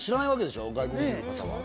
外国人の方は。